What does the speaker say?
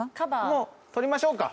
もう取りましょうか。